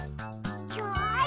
よし！